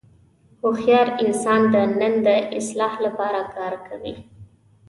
هوښیار انسان د نن د اصلاح لپاره کار کوي.